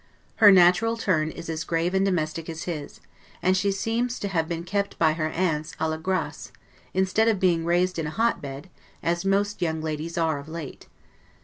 Her natural turn is as grave and domestic as his; and she seems to have been kept by her aunts 'a la grace', instead of being raised in a hot bed, as most young ladies are of late.